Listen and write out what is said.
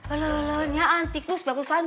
alah alah tikus bagus aja